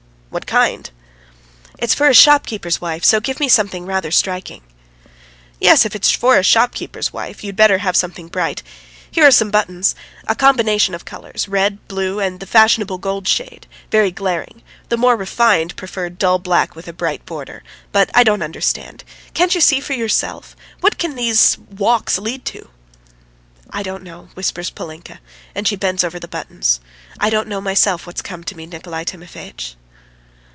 "What kind?" "It's for a shopkeeper's wife, so give me something rather striking." "Yes, if it's for a shopkeeper's wife, you'd better have something bright. Here are some buttons. A combination of colours red, blue, and the fashionable gold shade. Very glaring. The more refined prefer dull black with a bright border. But I don't understand. Can't you see for yourself? What can these ... walks lead to?" "I don't know," whispers Polinka, and she bends over the buttons; "I don't know myself what's come to me, Nikolay Timofeitch."